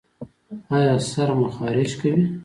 ایا سر مو خارښ کوي؟